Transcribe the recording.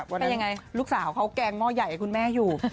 วันนั้นลูกสาวเขาแกงหม้อใหญ่ให้คุณแม่อยู่